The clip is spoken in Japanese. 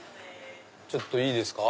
ちょっといいですか？